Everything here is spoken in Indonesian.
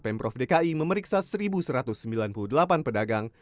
pemprov dki memeriksa satu satu ratus sembilan puluh delapan pedagang